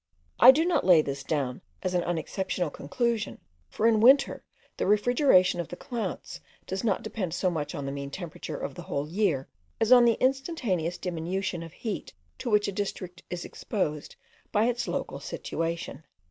I do not lay this down as an unexceptional conclusion, for in winter the refrigeration of the clouds does not depend so much on the mean temperature of the whole year, as on the instantaneous diminution of heat to which a district is exposed by its local situation.